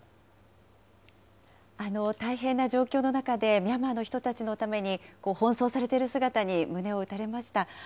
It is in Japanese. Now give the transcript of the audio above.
大変な状況の中で、ミャンマーの人たちのために奔走されている姿に胸を打たれました。